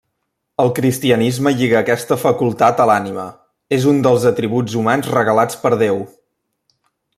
El cristianisme lliga aquesta facultat a l'ànima, és un dels atributs humans regalats per Déu.